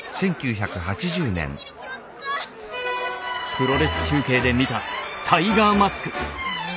プロレス中継で見たタイガーマスク。